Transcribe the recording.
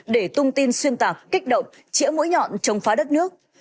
để tung tin xuyên tạp kích động chữa mũi nhọn chống phá đất nước